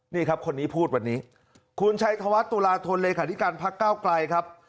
นี่ครับคนนี้พูดวันนี้คุณชัยธวัฒน์ตุลาธนเลขาธิการพักเก้าไกลครับ